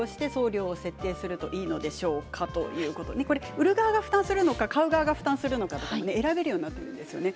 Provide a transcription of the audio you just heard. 売る側が負担するのか買う側が負担するのか選べるようになっているんですよね。